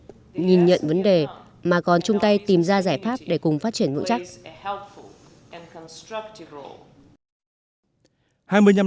nhưng cũng trong việc nhìn nhận vấn đề mà còn chung tay tìm ra giải pháp để cùng phát triển ngưỡng chắc